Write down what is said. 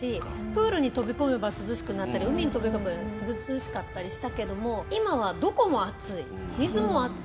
プールに飛び込めば涼しくなったり海に飛び込めば涼しかったりしたけども今はどこも暑い水も暑い。